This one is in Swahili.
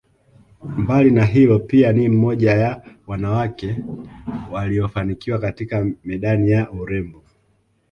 Mbali na hilo pia ni mmoja ya wanawake waliofanikiwa katika medani ya urembo